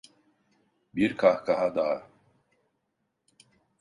Bir kahkaha daha…